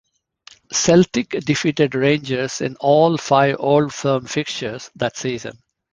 Celtic defeated Rangers in all five Old Firm fixtures that season.